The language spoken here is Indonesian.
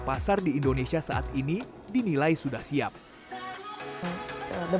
keputusan untuk mengembangkan metahuman adalah untuk mengembangkan metahuman dan sudah dilakukan di luar negeri